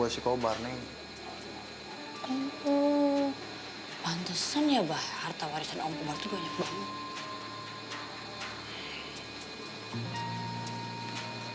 asikobar neng pantesan ya bahwa harta warisan om kobar banyak banget